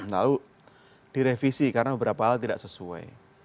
lalu direvisi karena beberapa hal tidak sesuai